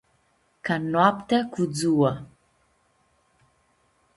Ca noaptea cu dzua.